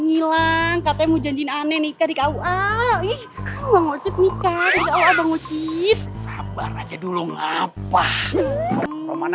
hilang katanya mau janjin aneh nikah di kau alih ngocet nikah ngocet dulu ngapa romana